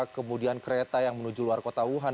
kemudian kereta yang menuju luar kota wuhan